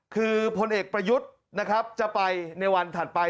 คือพลเอกประยุทธ์นะครับจะไปในวันถัดไป